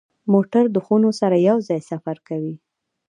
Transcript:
موټر د خونو سره یو ځای سفر کوي.